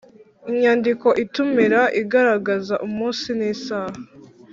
Inyandiko itumira igaragaza umunsi n isaha